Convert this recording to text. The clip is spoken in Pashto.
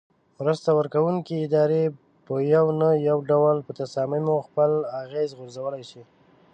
مرسته ورکوونکې ادارې په یو نه یو ډول په تصامیمو خپل اغیز غورځولای شي.